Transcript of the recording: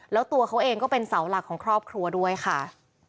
แล้วตัวเขาเองก็เป็นเสาหลักของครอบครัวด้วยค่ะ